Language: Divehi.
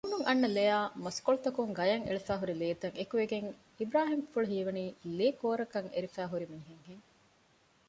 މޫނުން އަންނަ ލެއާއި މަސްކޮތަޅުން ގަޔަށް އެޅިފައިހުރި ލޭތައް އެކުވެގެން އިބުރާހިމްފުޅު ހީވަނީ ލޭކޯރަކަށް އެރިފައިހުރި މީހެއް ހެން